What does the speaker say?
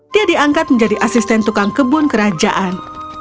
dia diangkat menjadi asisten tukang kebun kerajaan